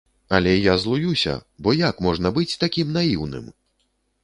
Але я злуюся, бо як можна быць такім наіўным?